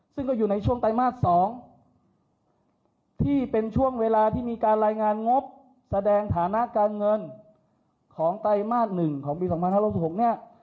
ซึ่งก็อยู่ในช่วงไตรมาส๒ที่เป็นช่วงเวลาที่มีการรายงานงบแสดงฐานะการเงินของไตรมาส๑ของปี๒๕๖๖เนี่ย